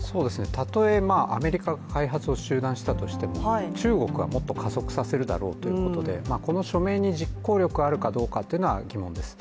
たとえアメリカが開発を中断したとしても中国がもっと加速させるだろうということでこの署名に実効力があるかどうかは疑問です。